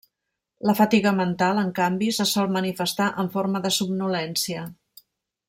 La fatiga mental, en canvi, se sol manifestar en forma de somnolència.